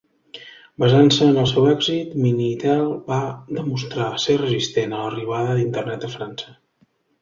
Basant-se en el seu èxit, Minitel va demostrar ser resistent a l'arribada d'internet a França.